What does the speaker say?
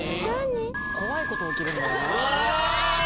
・怖いこと起きるんだよな。